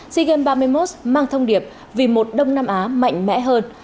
sea games ba mươi một mang thông điệp vì một đông nam á mạnh mẽ hơn